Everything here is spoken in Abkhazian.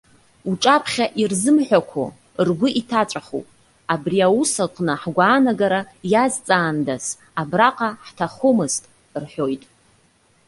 Уҿаԥхьа ирзымҳәақәо, ргәы иҭаҵәахуп. Абри аус аҟны ҳгәаанагара иазҵаандаз, абраҟа ҳҭахомызт,- рҳәоит.